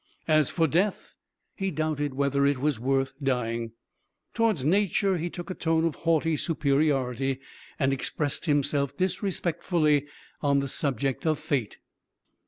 As for Death, he doubted whether it was worth dying. Towards Nature he took a tone of haughty superiority, and expressed himself disrespectfully on the subject of Fate.